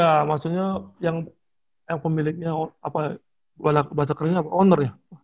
iya maksudnya yang pemiliknya apa bahasa keringnya owner ya